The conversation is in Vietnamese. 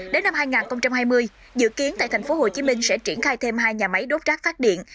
đến năm hai nghìn hai mươi dự kiến tại thành phố hồ chí minh sẽ triển khai thêm hai nhà máy đốt rác phát điện